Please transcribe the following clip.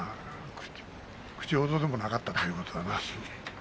口ほどでもなかったということだな。